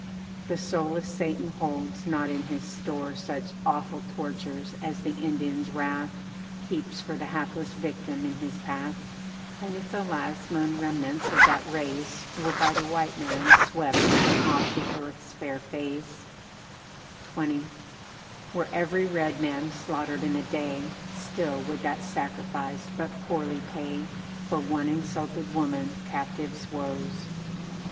The soulless Satan holds not in his store Such awful tortures as the Indians' wrath Keeps for the hapless victim in his path. And if the last lone remnants of that race Were by the white man swept from off the earth's fair face, XX. Were every red man slaughtered in a day, Still would that sacrifice but poorly pay For one insulted woman captive's woes.